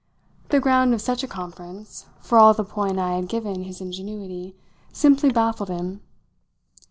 The ground of such a conference, for all the point I had given his ingenuity, simply baffled him.